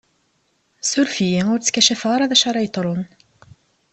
Suref-iyi, ur tkacafeɣ ara d acu ara yeḍṛun!